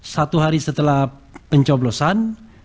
satu hari setelah pencoblosan